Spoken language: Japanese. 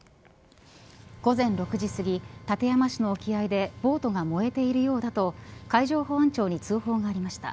午前６時すぎ、館山市の沖合でボートが燃えているようだと海上保安庁に通報がありました。